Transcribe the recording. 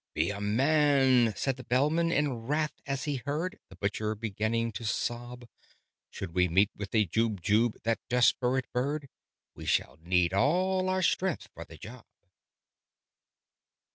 "Be a man!" said the Bellman in wrath, as he heard The Butcher beginning to sob. "Should we meet with a Jubjub, that desperate bird, We shall need all our strength for the job!"